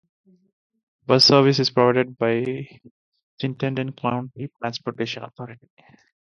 Bus service is provided by Chittenden County Transportation Authority.